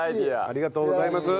ありがとうございます。